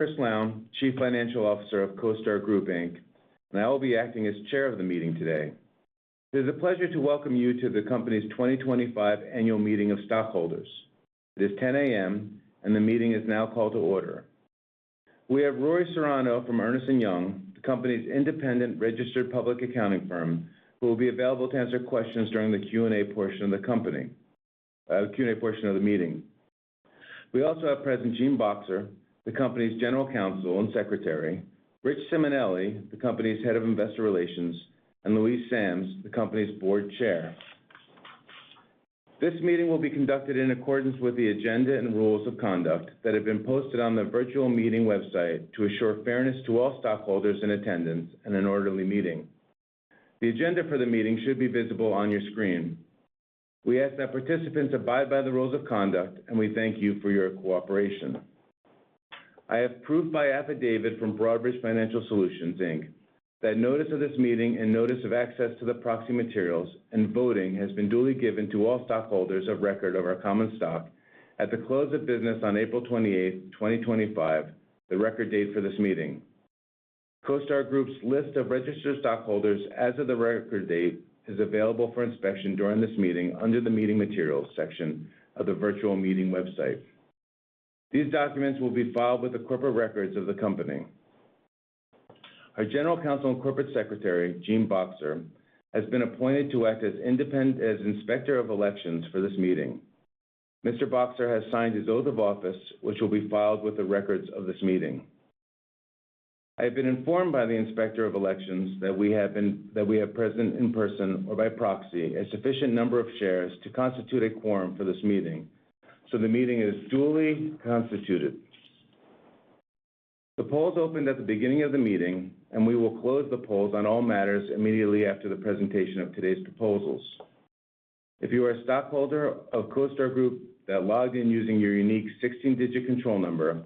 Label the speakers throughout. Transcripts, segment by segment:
Speaker 1: Chris Lown, Chief Financial Officer of CoStar Group, and I will be acting as Chair of the meeting today. It is a pleasure to welcome you to the company's 2025 annual meeting of stockholders. It is 10:00 A.M., and the meeting is now called to order. We have Rory Serrano from Ernst & Young, the company's independent registered public accounting firm, who will be available to answer questions during the Q&A portion of the meeting. We also have present Gene Boxer, the company's general counsel and secretary, Rich Simonelli, the company's head of investor relations, and Louise Sams, the company's board chair. This meeting will be conducted in accordance with the agenda and rules of conduct that have been posted on the virtual meeting website to assure fairness to all stockholders in attendance and an orderly meeting. The agenda for the meeting should be visible on your screen. We ask that participants abide by the rules of conduct, and we thank you for your cooperation. I have proof by affidavit from Broadridge Financial Solutions, Inc. that notice of this meeting and notice of access to the proxy materials and voting has been duly given to all stockholders of record of our common stock at the close of business on April 28, 2025, the record date for this meeting. CoStar Group's list of registered stockholders as of the record date is available for inspection during this meeting under the meeting materials section of the virtual meeting website. These documents will be filed with the corporate records of the company. Our General Counsel and Corporate Secretary, Gene Boxer, has been appointed to act as Inspector of Elections for this meeting. Mr. Boxer has signed his oath of office, which will be filed with the records of this meeting. I have been informed by the inspector of elections that we have present in person or by proxy a sufficient number of shares to constitute a quorum for this meeting, so the meeting is duly constituted. The polls opened at the beginning of the meeting, and we will close the polls on all matters immediately after the presentation of today's proposals. If you are a stockholder of CoStar Group that logged in using your unique 16-digit control number,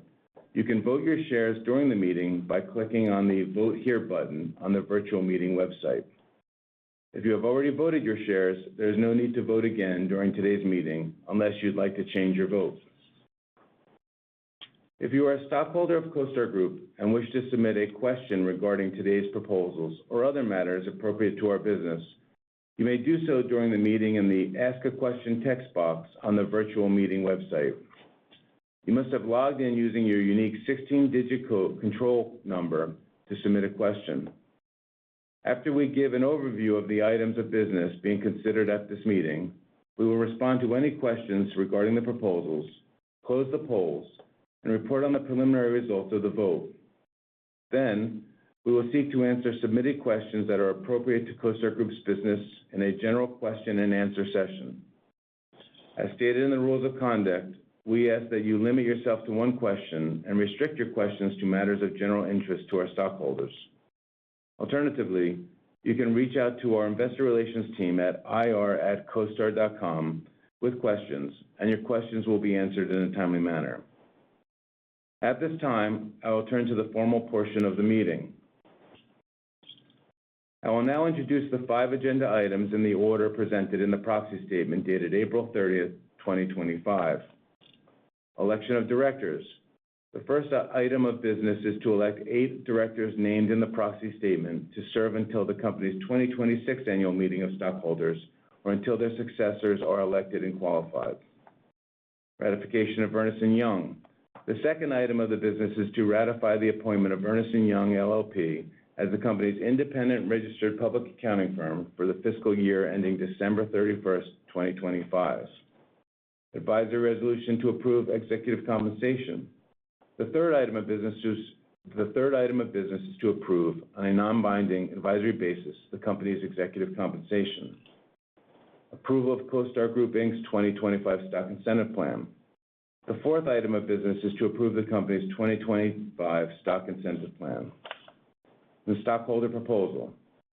Speaker 1: you can vote your shares during the meeting by clicking on the Vote Here button on the virtual meeting website. If you have already voted your shares, there is no need to vote again during today's meeting unless you'd like to change your vote. If you are a stockholder of CoStar Group and wish to submit a question regarding today's proposals or other matters appropriate to our business, you may do so during the meeting in the Ask a Question text box on the virtual meeting website. You must have logged in using your unique 16-digit control number to submit a question. After we give an overview of the items of business being considered at this meeting, we will respond to any questions regarding the proposals, close the polls, and report on the preliminary results of the vote. Then, we will seek to answer submitted questions that are appropriate to CoStar Group's business in a general question-and-answer session. As stated in the rules of conduct, we ask that you limit yourself to one question and restrict your questions to matters of general interest to our stockholders. Alternatively, you can reach out to our investor relations team at ir@costar.com with questions, and your questions will be answered in a timely manner. At this time, I will turn to the formal portion of the meeting. I will now introduce the five agenda items in the order presented in the proxy statement dated April 30, 2025. Election of directors. The first item of business is to elect eight directors named in the proxy statement to serve until the company's 2026 annual meeting of stockholders or until their successors are elected and qualified. Ratification of Ernst & Young. The second item of the business is to ratify the appointment of Ernst & Young, LLP, as the company's independent registered public accounting firm for the fiscal year ending December 31, 2025. Advisory resolution to approve executive compensation. The third item of business is to approve on a non-binding advisory basis the company's executive compensation. Approval of CoStar Group's 2025 stock incentive plan. The fourth item of business is to approve the company's 2025 stock incentive plan. The stockholder proposal.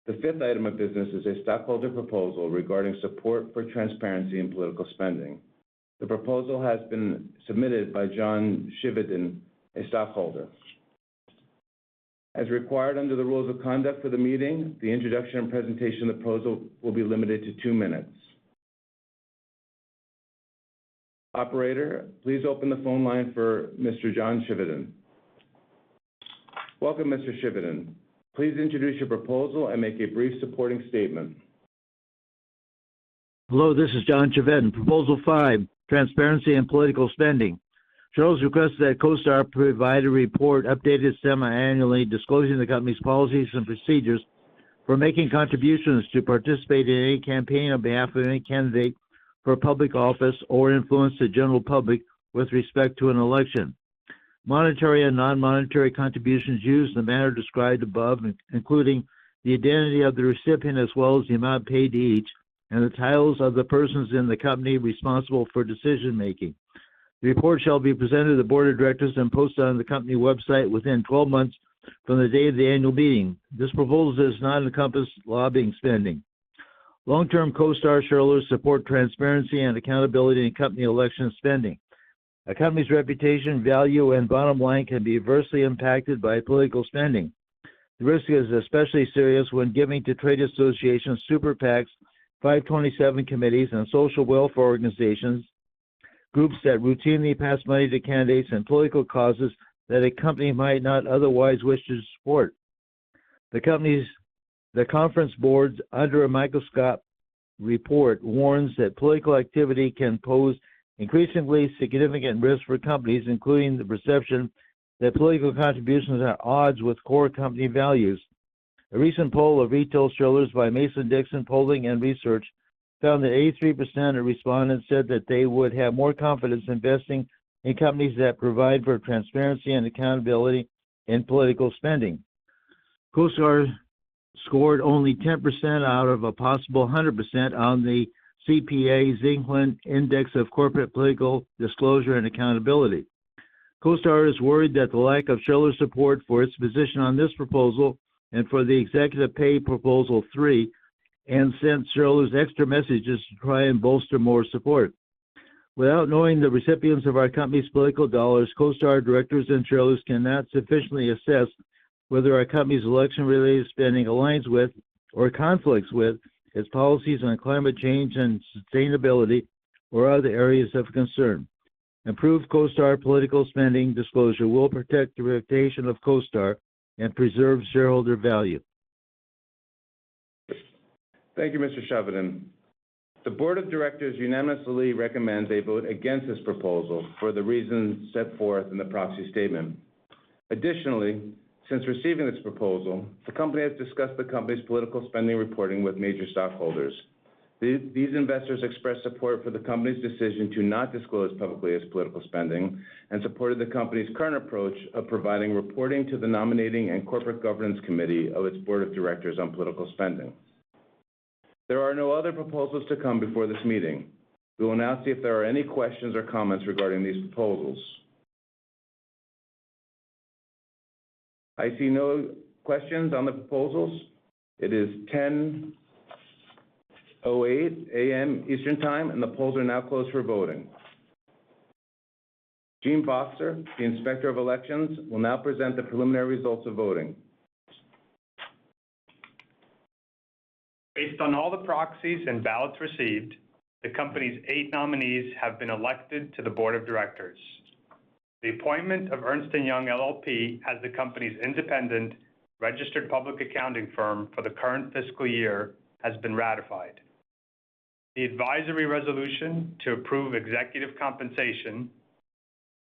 Speaker 1: The fifth item of business is a stockholder proposal regarding support for transparency in political spending. The proposal has been submitted by John Shividan, a stockholder. As required under the rules of conduct for the meeting, the introduction and presentation of the proposal will be limited to two minutes. Operator, please open the phone line for Mr. John Shividan. Welcome, Mr. Shividan. Please introduce your proposal and make a brief supporting statement.
Speaker 2: Hello, this is John Shividan. Proposal five, transparency in political spending. Charles requests that CoStar provide a report updated semi-annually disclosing the company's policies and procedures for making contributions to participate in any campaign on behalf of any candidate for public office or influence the general public with respect to an election. Monetary and non-monetary contributions used in the manner described above, including the identity of the recipient as well as the amount paid to each and the titles of the persons in the company responsible for decision-making. The report shall be presented to the board of directors and posted on the company website within 12 months from the date of the annual meeting. This proposal does not encompass lobbying spending. Long-term CoStar shareholders support transparency and accountability in company election spending. A company's reputation, value, and bottom line can be adversely impacted by political spending. The risk is especially serious when giving to trade associations, super PACs, 527 committees, and social welfare organizations, groups that routinely pass money to candidates and political causes that a company might not otherwise wish to support. The Conference Board's under-a-microscope report warns that political activity can pose increasingly significant risk for companies, including the perception that political contributions are at odds with core company values. A recent poll of retail shareholders by Mason-Dixon Polling & Research found that 83% of respondents said that they would have more confidence investing in companies that provide for transparency and accountability in political spending. CoStar scored only 10% out of a possible 100% on the CPA-Zicklin Index of Corporate Political Disclosure and Accountability. CoStar is worried that the lack of shareholder support for its position on this proposal and for the executive pay proposal three has sent shareholders extra messages to try and bolster more support. Without knowing the recipients of our company's political dollars, CoStar directors and shareholders cannot sufficiently assess whether our company's election-related spending aligns with or conflicts with its policies on climate change and sustainability or other areas of concern. Improved CoStar political spending disclosure will protect the reputation of CoStar and preserve shareholder value.
Speaker 1: Thank you, Mr. Shividan. The board of directors unanimously recommends a vote against this proposal for the reasons set forth in the proxy statement. Additionally, since receiving this proposal, the company has discussed the company's political spending reporting with major stockholders. These investors expressed support for the company's decision to not disclose publicly its political spending and supported the company's current approach of providing reporting to the nominating and corporate governance committee of its board of directors on political spending. There are no other proposals to come before this meeting. We will now see if there are any questions or comments regarding these proposals. I see no questions on the proposals. It is 10:08 A.M. Eastern Time, and the polls are now closed for voting. Gene Boxer, the inspector of elections, will now present the preliminary results of voting.
Speaker 3: Based on all the proxies and ballots received, the company's eight nominees have been elected to the board of directors. The appointment of Ernst & Young, LLP, as the company's independent registered public accounting firm for the current fiscal year has been ratified. The advisory resolution to approve executive compensation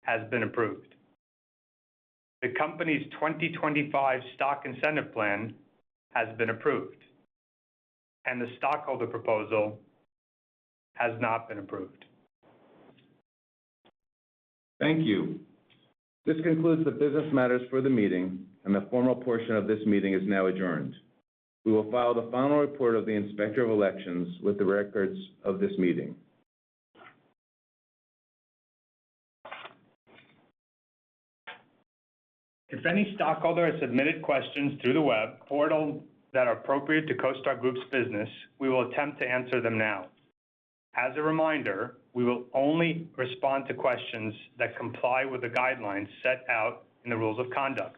Speaker 3: has been approved. The company's 2025 stock incentive plan has been approved, and the stockholder proposal has not been approved.
Speaker 1: Thank you. This concludes the business matters for the meeting, and the formal portion of this meeting is now adjourned. We will file the final report of the inspector of elections with the records of this meeting.
Speaker 3: If any stockholder has submitted questions through the web portal that are appropriate to CoStar Group's business, we will attempt to answer them now. As a reminder, we will only respond to questions that comply with the guidelines set out in the rules of conduct.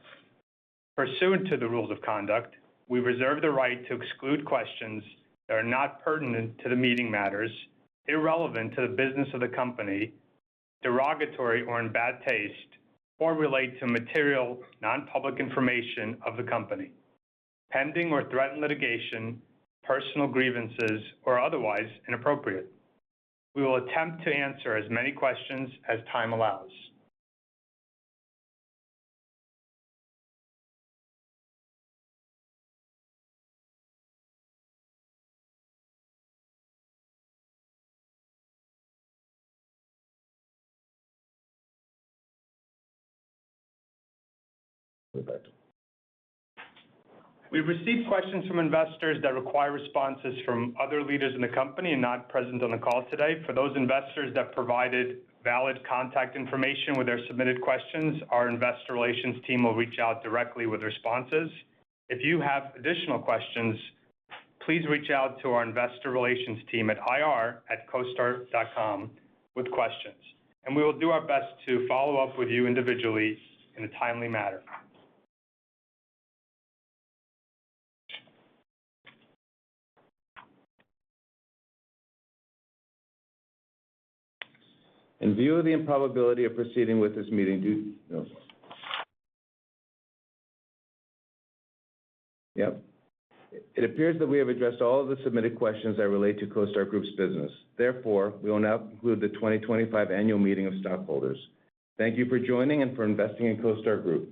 Speaker 3: Pursuant to the rules of conduct, we reserve the right to exclude questions that are not pertinent to the meeting matters, irrelevant to the business of the company, derogatory or in bad taste, or relate to material, non-public information of the company, pending or threatened litigation, personal grievances, or otherwise inappropriate. We will attempt to answer as many questions as time allows. We've received questions from investors that require responses from other leaders in the company and not present on the call today. For those investors that provided valid contact information with their submitted questions, our investor relations team will reach out directly with responses. If you have additional questions, please reach out to our investor relations team at ir@costar.com with questions, and we will do our best to follow up with you individually in a timely manner.
Speaker 1: In view of the improbability of proceeding with this meeting, do you know? Yep. It appears that we have addressed all of the submitted questions that relate to CoStar Group's business. Therefore, we will now conclude the 2025 annual meeting of stockholders. Thank you for joining and for investing in CoStar Group.